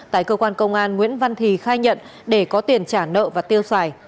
tại cơ quan công an nguyễn văn thì khai nhận để có tiền trả nợ và tiêu xài